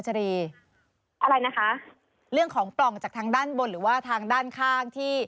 ข้างหน้าก็คือเหมือนจะช่วยกันระบายทั้งสองทางค่ะ